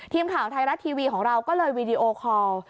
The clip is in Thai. ทีมข่าวไทยรัฐทีวีของเราก็เลยวีดีโอคอล